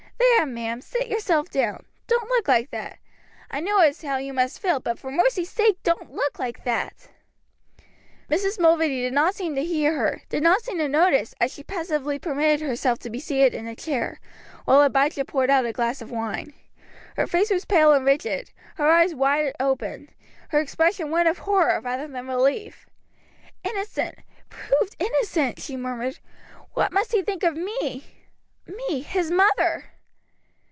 There, ma'am, sit yourself down. Don't look like that. I know as how you must feel, but for mercy sake don't look like that." Mrs. Mulready did not seem to hear her, did not seem to notice, as she passively permitted herself to be seated in the chair, while Abijah poured out a glass of wine. Her face was pale and rigid, her eyes wide open, her expression one of horror rather than relief. "Innocent! Proved innocent!" she murmured. "What must he think of me me, his mother!"